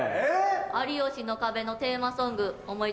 『有吉の壁』のテーマソング思い付きました。